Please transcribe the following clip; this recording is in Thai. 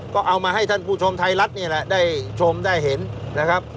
ก็เอามาให้ท่านผู้ชมไทยรัฐนี่แหละได้ชมได้เห็นนะครับ